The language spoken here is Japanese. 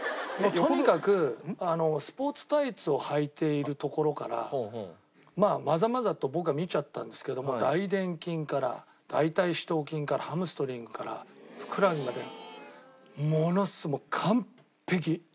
とにかくスポーツタイツをはいているところからまあまざまざと僕は見ちゃったんですけどもう大臀筋から大腿四頭筋からハムストリングからふくらはぎまでものすごい。